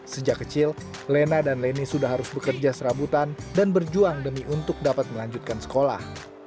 sejak kecil lena dan leni sudah harus bekerja serabutan dan berjuang demi untuk dapat melanjutkan sekolah